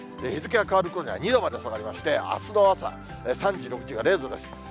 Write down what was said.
日付が変わるころには２度まで下がりまして、あすの朝、３時、６時が０度です。